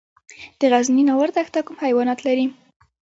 د غزني ناور دښته کوم حیوانات لري؟